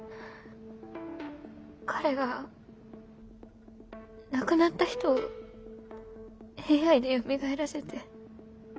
彼が亡くなった人をＡＩでよみがえらせて。